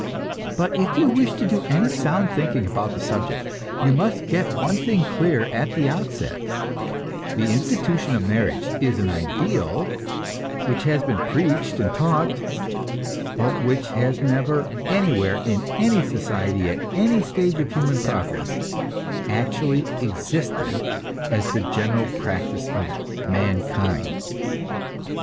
But if you wish to do any sound thinking about this subject, you must get one thing clear at the outset; the institution of marriage is an ideal which has been preached and taught, but which has never anywhere, in any society, at any stage of human progress, actually existed as the general practice of mankind.